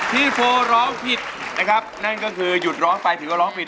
โฟร้องผิดนะครับนั่นก็คือหยุดร้องไปถือว่าร้องผิด